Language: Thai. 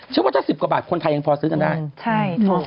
ฉันว่าถ้า๑๐กว่าบาทคนไทยยังพอซื้อจังได้